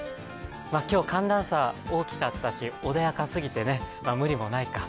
今日、寒暖差大きかったし、穏やかすぎて無理もないか。